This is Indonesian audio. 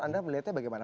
anda melihatnya bagaimana